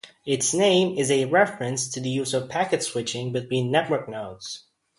Its name is a reference to the use of packet switching between network nodes.